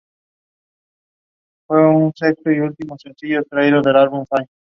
La revolución sería aplastada, derrotada por la expedición terrestre y carente de apoyo popular.